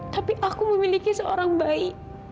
tapi aku memiliki seorang bayi